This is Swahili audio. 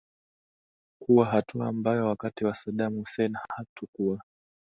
kuwa hatua ambayo wakati wa saddam hussein hatukuwa